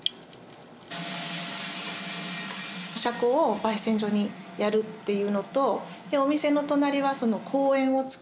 車庫をばい煎所にやるっていうのとお店の隣は公園をつくりたい。